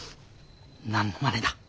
何のまねだ？